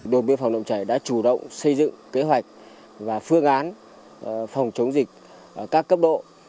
đội biên phòng nộng chảy đã chủ động xây dựng kế hoạch và phương án phòng chống dịch các cấp độ